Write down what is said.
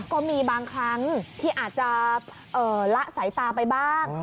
ก็มีบางครั้งที่อาจจะละสายตาไปบ้าง